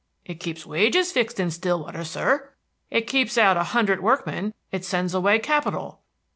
"It keeps wages fixed in Stillwater, sir." "It keeps out a hundred workmen. It sends away capital."